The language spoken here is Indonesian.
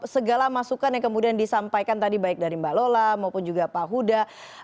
segala masukan yang kemudian disampaikan tadi baik dari mbak lola maupun juga pak huda